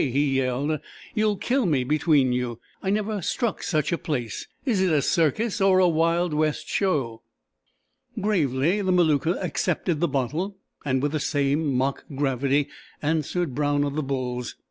he yelled. "You'll kill me between you! I never struck such a place! Is it a circus or a Wild West Show?" Gravely the Maluka accepted the bottle, and with the same mock gravity answered Brown of the Bulls.